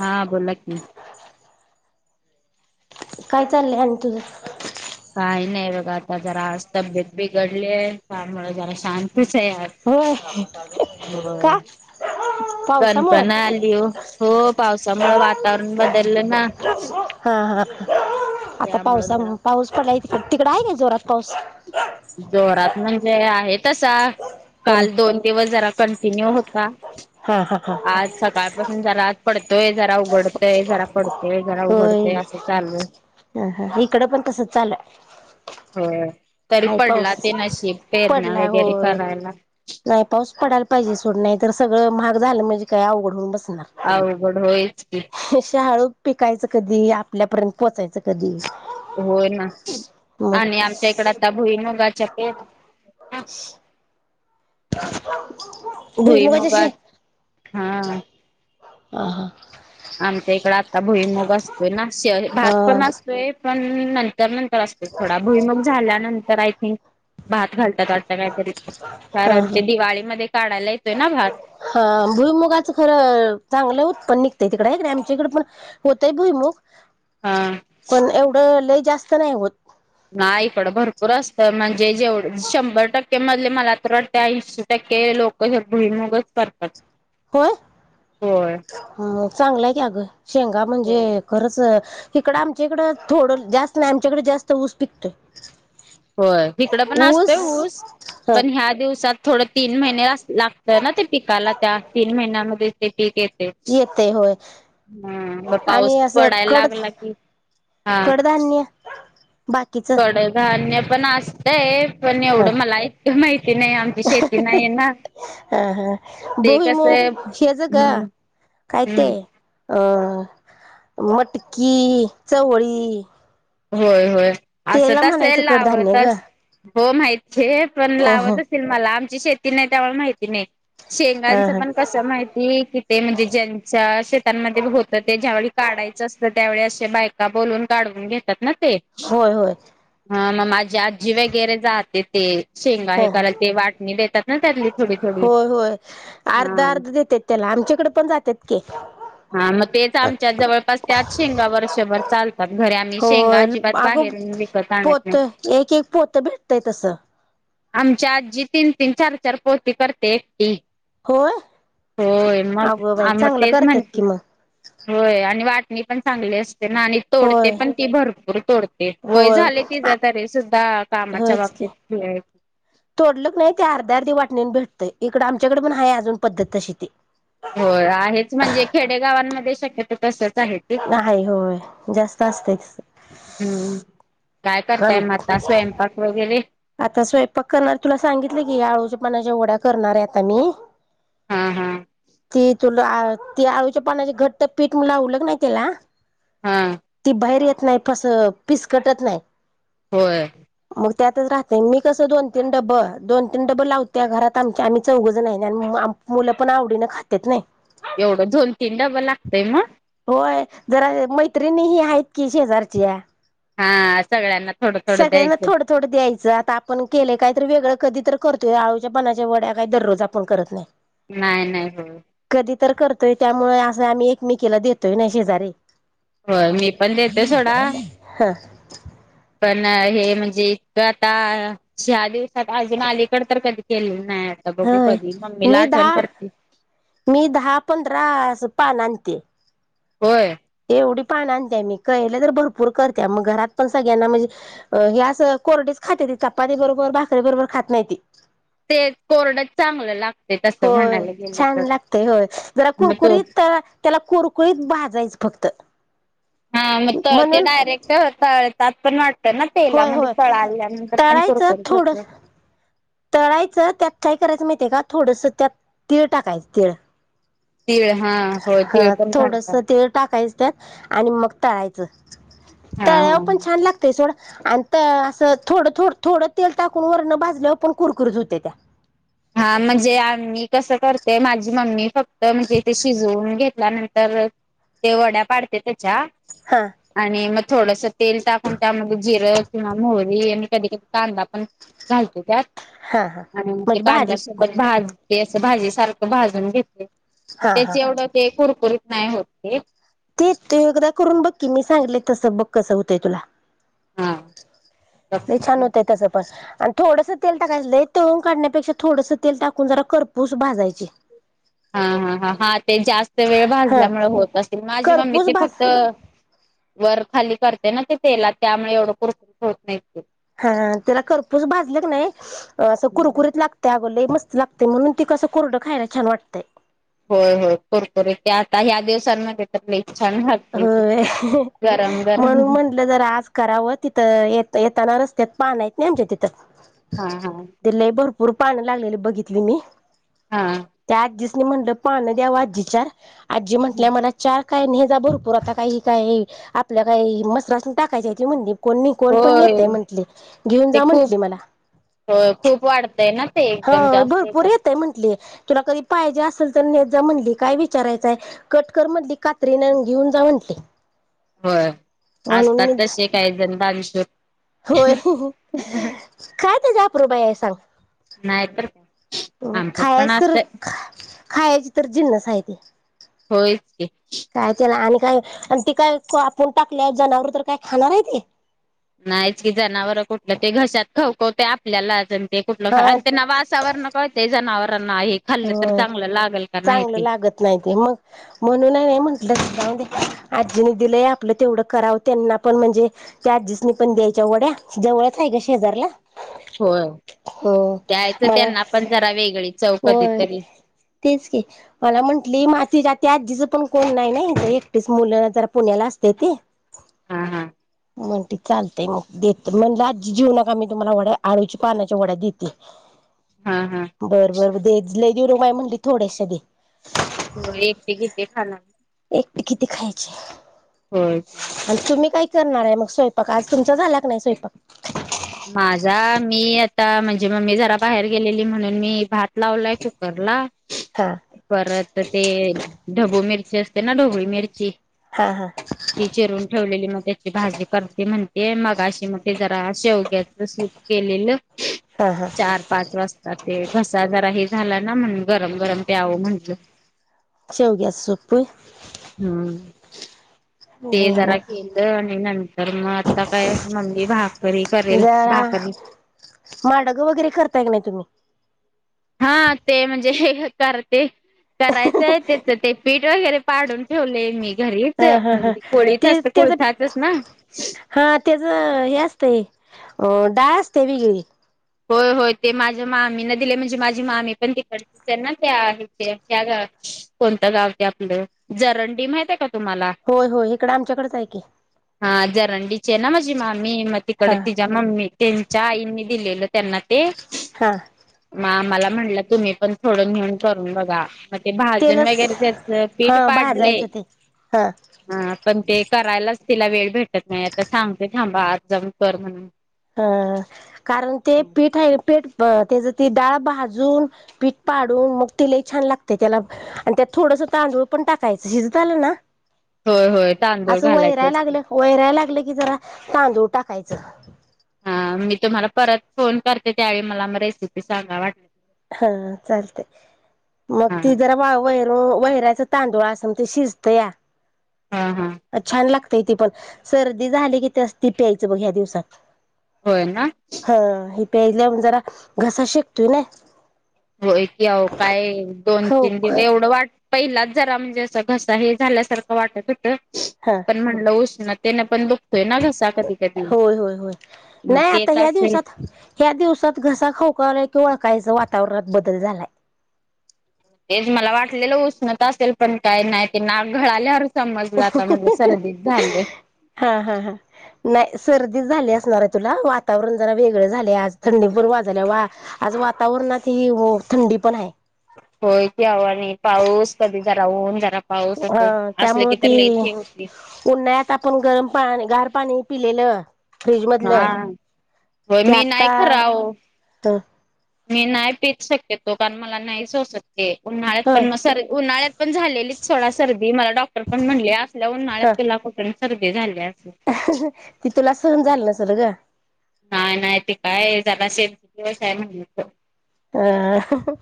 हा बोला कि काय चाललंय आणि तुझं काही नाही बघा आता जरा आज तब्येत बिघडली आहे त्यामुळे जरा शांत होय बर का? पावसामुळ कणकण आली ओ हो पावसामुळे वातावरण बदललं ना हा हा आता त्यामुळे पावसा जरा पाऊस पडलाय त तिकडं आहे का जोरात? पाऊस जोरात म्हणजे आहेत तसा हम्म काल दोन दिवस जरा कंटिन्यू होता हा हा हा आज सकाळपासून जरा पडतोय जरा उघडतय जरा पडतेय जरा होय उघडतय असं चालू ह हा इकडं पण तसंच चालूय होय. तरी आहे पडला पाऊस ते नशीब पेरण्या पडला वगैरे होय करायला नाही पाऊस पडाल पाहिजे सोड नाही तर सगळं महाग झालं म्हणजे काय आवघड होऊन बसलं अवघड होयच की शे हाळू पिकायचं कधी आपल्यापर्यंत पोचायचं कधी हो ना मग आणि आमच्या इकडं आता भुईमुंगाच्या पेरण्या भुईमुंगाच्या भुईमुगात हा शेगा अ हा आमच्या इकडं आता भुईमुग असतोय ना शे हा भात हा पण असतोय पण ना तर नंतर असतो थोडा भुईमुंग झाल्यानंतर आय थिंक भात घालता का काहीतरी हा कारण हा ते दिवाळीमध्ये काढायला येतोय ना भात हा भुईमुगाच खरं चांगलं उत्पन्न निघतंय तिकडे आहेे आमच्या इकड पण होतंय भुईमुग हा पण एवढं ल जास्त नाही होत ना इकडं भरपूर असत म्हणजे जेवढ शंभर टक्के मधले मला तर वाटते ऐंशी टक्के ते लोक भुईमुगच करतात. होय होय ह चांगलंय की अगं शेंगा होय म्हणजे खरंच इकडं आमच्या इकडं थोडं जास्त नाही आमच्याकडे जास्त ऊस पिकतोय होय इकडं पण असतोय ऊस ह पण ह्या दिवसात थोडं तीन महिने लागत ना ते पिकाला त्या तीन महिन्यामध्ये ते पीक येत येते होय हा बर पाऊस आणि असं पडायला कड लागला की हा कडधान्य बाकीच कडधान्य पण असतंय पण ह एवढं मला माहित माहिती नाही आमची शेती नाही ना आमची शेती आहे ना- हा हा भुईमूग हेच ग हम्म काय ते हम्म अं मटकी चवळी होय होय असं त्याला म्हणायचं तसेल लावत कडधान्य ग असतील हो माहित आहे पण लावत असेल मला आमची शेती नाही त्यामुळे माहिती नाही ह शेंगांच ह पण कसं माहिती कि ते म्हणजे ज्यांच्या शेतांमध्ये होत ते ज्यावेळी काढ च असत त्यावेळी असे बायका बोलून काढवून घेतात ना होय होय हा मग माझी आजी वगैरे जे ते शेंग आहे ह क ते वाटणी देतात ना त्यातली थोडी थोडी होय होय हा अर्ध अर्ध देतात त्याला आमच्याकडे पण जातात की हा मग तेच आमच्या जवळपास त्याच शेंगा वर्षभर चालतात घर आम्ही शेंगा होय अजिबात अगं बाहेर विकत आणत पोत नाही एक एक पोत भेटतय तसं आमच्या आजजी तीन तीन चार चार पोती करते होय होय मग अगो बाई आ मग चांगलं तेच म्हण करतात कि मग होय आणि वाटणी पण चांगली असते ना तोडते होय पण ती भरपूर तोडते वय होय झाले तिच्या तरी सुद्धा कामाच्या बातीत क तोडलकनी नाही ते अर्ध्या अर्धी वाटणीून भेटतंय इकडं आमच्याकडे पण आहे अजून पद्धत तशी ते हो आहेच म्हणजे खेडेगावांमध्ये शक्यतो तसच आहे ते नाही होय जास्त असतेच हम्म काय करताय म आता स्वयंपाक वगैरे आता स्वयंपाक करणार तुला सांगितलं की आळूच्यपणाच्या वढ्या करणार आहे आता मी हा हा ते तु त आळूच्या पानाचे घट तर पीठ लावलं की त्याला हा ती बाहेर येत नाही फिसकटत नाही होय मग त्यातच राहते मी कसं दोन तीन डबं दोन तीन डबं लावत त्या घरात आम आम्ही चौघजण आणि मुलं पण आवडीने खातेत नाही एवढं दोन तीन ड्बा लागतय मग होय जरा मैत्रिणी ही आहेत की शेजारची हा सगळ्यांना थोडं थोडं सगळ्यांना द्यायचं थोडं थोडं द्यायचं आता आपण केलं काहीत वेगळं कधी करतोय आळूच्या पनाच्या वड्या काही दररोज आपण करत नाही नाही नाही हो कधी तर करतोय त्यामुळे असं आम्ही एकमेकीला देतोय नाही शेजारी हो मी पण देते सोडा पण हे म्हणजे इतक आता सहा दिवसात अजून अलीकड तर कधी केले. ह मी दहा करते मी दहा पंधरा अस. पालते होय ते एवढी पाण आणतेय मी कळलं तर भरपूर करते मग घरात पण सगळ्यांना म्हणजे हे असं कोरडीच खाते ती चपाती बरोबर भाकरीे बरोबर खात नाही त ते कोरड चांगलं लागत होय छान लागते होय जरा मग तो कुरकुरीत त्याला कुरकुरीत भाजायचं फक्त हा मग ते म्हणून डायरेक्टतात पण वा ना होय तेलामध्ये होय फळ आल्यानंतर पण तळायचं कुरकुरी थोडं तळायचं त्यात काय करायचं माहितीय का थोडस त्यात तीळ टाकायचं तीळ तीळ हा हो हा तीळ पण थोडस घालतात ते टाकायचं आणि मग तळायचं हा तळावर पण छान लागतंय सथोडं आणि असं थोडं थोड थोडं तेल टाकून वरण भाजल्यावर पण कुरकुरीत होते त्या हा म्हणजे आम्ही कसं करते माझी मम्मी फक्त म्हणजे इथे शिजवून घेत नंतर ते वड्या पाडते त्याच्या हा आणि मग थोडस तेल टाकून त्यामध्ये जिरं किंवा मोहरी आणि कधी कधी कांदा पण घालत त्यात हा हा. आणि मग म्हणजे भाजी कांद्यासोबत भज. अस भाजी सारख भाजून घेते मग हा हा त्याची एवढं ते कुरकुरीत नाही होते. तेच ते एकदा करून बघकीी मी सांगले तसं बघ कसं होतंय तुला. हा. नाही छान हा होतय तसपस. आणि थोडस तेल टाकायच तळून काढण्यापेक्षा थोडस तेल टाकून जरा कररपूस भाजायची. हा हा हा हा ते जास्त वेळ हा भाजल्यामुळे होत अस. माझी मम्मी करपूस ते भाज फक्त. वर खाली करते ना ते तेला त्यामुळे एवढं कर होत नाही. ते. हा त्याला खरपूच भाजले क नाही असं कुरकुरीत लागते अगो. लागते म्हणून ती कसं कोरडं खायला छान वाटतय. होय हो करकुरी ते आता ह्या दिवसांमध्ये. तर लई छान लागते. ते होय. गरम गरम म्हणून म्हंटलं जर आज करावं तिथं येताना रस्त्यात पान आहेतेत नाही आमच्या तिथं. हा हा. पुर पान लागलेले बघितले मी हा. त्यात दि. म्हटलं पान द्यावा आजी चार आजी म्हटल्या मला चार. काय ने जा भरपूर आता काही काही आपल्या काही मस असून टाकायच्या त म्हणे. कोणी कोण पण होय येते म्हंटली घेऊन ते जा खूप म्हंटली मला. होय खूप वाढतय ना ते हा एकदम जास्त भरपूर येतात. येतय म्हंटली. [unintelligible] जा म्हटली. हो म्हणून मी असतात तसे काही जणश. होय काय ते जाप रु बा आहे सांग. नाही तर आमच्यात पण खायच तर असतय खायची तर जिन्नस आहे ते. होयच ते. काय त्याला आणि काय आणि ती काय आपण टाकल्या जनावर तर काय खाणार आहे ते. नाहीच की जनावर कुठलं ते घशात खवकवते आपल्याला. ते कुठलं ख हा आणि ते नवासावर नकळते ते जनावर. होय नाही चांगलं ते. लागत नाही ते मग म्हणूनही नाही म्हंटलं. दे आजीनी दिलंय आपलं तेवढं करावं त्यांना पण म्हणजे त्या आजीसनी पण द्यायच्या वड्या. जवळच आहे का शेजारला. हो हो द्यायचं मला त्यांना पण जरा वेगळी च. होय तेच की मला म्हण मी आजीचं पण कोण नाही नाही एकटीच मुलं जरा पुण्याला असते ते. हा हा. म्हणते चालतेय मग देत म्हणज आजी जीवनाक आम्ही तुम्हाला वड्या आळूच्या पानाच्या वड्या देते. हा हा. ले देन काय म्हणली थोडेश. हो एकटे घेते खाला. किती होय की. खायचे तुम्ही काय. करणार आहे मग स्वयंपाक आज तुमचा झालाक नाही स्वयंपाक. माझा मी आता म्हणजे मम्मी जरा बाहेर गेलेली म्हणून मी भात लावलाय कुकरला. हा परत ते ढबू मिरची असते ना ढोबळी मिरची. हा हा ती चिरून ठेवलेली मग त्याची भाजी करते म्हणते. ये मग अशी मध्ये जरा अे होती. सू केलेलं हा हा चार पाच वाजता ते घसा ज आहे. झाला ना म्हण गरम गरम प्याव म्हणल. चौ ग्या सप हम्म ते जरा केलं आणि नंतर म आता काय मम्मी भाकरी करेल, जरा भाक करी. माडगं वगैरे करताय का नाही तुम्ही? हा ते म्हणजे हे करते, करायचंय त्याच ते पीठ वगैरे पाडून ठेवलय मी. घरीच हा हा हा म्हणजे कोळीत ते असत त्याच कोळथातच ना. हा त्याच हे असतंय अ डाळ असते वेगळी. होय, होय ते माझ्या मामी न दिलय म्हणजे माझी मामी पण तिकडची हाय ना त्या त्या कोणत गाव ते आपलं जरंडी माहित आहे का? तुम्हाला? होय होय इकडं आमच्याकडेच आहे की. रंडीचे हाय ना माझी मामी म तीकड हा तिच्या म ममी त्यांच्या आईंनी दिलेलं. त्यांना ते, हा म आम्हाला म्हटलं तुम्ही पण थोड नेऊन करून बघा. मग ते भाजून तेलच वगैरे त्याच पीठ हा पाडलय, भाजायचं ते हा हा पण ते. करायलाच तिला वेळ भेटत नाही आता सांगते थांबा आज जाऊन कर म्हणून. हा कारण ते पीठ आहे पेठ तेज ते डाळ भाजून पीठ पाडून मग ते छान लागतय. त्याला आणि त्या थोड तांदूळ पण टाकायच शिजतआल ना. होय होय तांदूळ असं घालायचं वयराय असते. लागलं वैराय लागलं की जरा तांदूळ टाकाय च. हा मी तुम्हाला परत फोन करते त्यावेळी मला रेसिपी सांगा वाट हा चालतय, मग हा ती जरा वा वे वैरा्याचा तांदूळ अस ते शिजत या. हा हा अ छान लागतेय ती पण सर्दी झाली किती असती प्यायचं बघ ह्या दिवसात. होय ना. ह हे प्यायल्यावर जरा घसा शिकतोय नाया. होय की आव काय दोन हो तीन दिव एवढं वाटत. पहिलाच जरा म्हणजे असं घसा हे झाल्यासारखं वाटत होतं हा पण म्हणलं उष्णतेन होतोय ना गसा कधी कधी. होय, होय, होय मग नाही आता तेच ह्या असेल दिवसात, ह्या दिवसात घसा खाऊकव्हाल की ओळखायचं वाट वातावरात बदल झालाय. तेच मला वाटलेलं उष्णता असेल पण काय नाही? नाक घळाल्यावर समजल आता म्हणजे सर्दीत झाले. हा, हा, हा, नाही सर्दी झाली असणार आहे तुला वातावरण जरा वेगळे झाले आज थंडी पूर् वा झाल्या वा आज वातावरणात थंडी पण आहे. होय की आवा आणि पाऊस कधी जरा ऊन जरा पाऊस हा असं असलं त्यामुळे की तर ती, लईच हे होतंय. उन्हाळ्यात आपण गरम पा गार पाणी पिलेल. हा, हो ते मी नाही आता खर आव. ह मी नाही पीत शकेतो कारण मला नाही सोसत. ते उन्हाळ्यात पण होय म सरा उन्हाळ्यात पण झालेलीच थोडा सर्दी मला डॉक्टर पण म्हणले असल्या उन्हाळ्यात ह त्याला खोकला आणि सर्दी झाल्या. ती तुला सहन झालं नसल ग. नाही नाही ते काय [unintelligible] शेती व्यवसाय म्हण हा,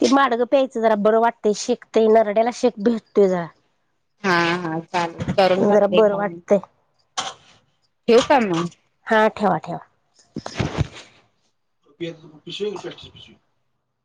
ते मडगं प्या जरा बरं वाटत शेकतय नरड्याला शेक भेटतोय जरा. हा हा चालल करून जरा बघते बरं घ्या. वाटतंय ठेव का म. हा ठेवा, ठेवा. [unintelligible]